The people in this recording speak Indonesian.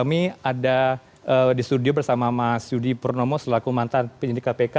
kami ada di studio bersama mas yudi purnomo selaku mantan penyidik kpk